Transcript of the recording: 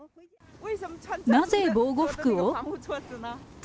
なぜ防護服を？